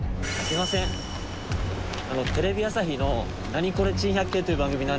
テレビ朝日の『ナニコレ珍百景』という番組なんですけど。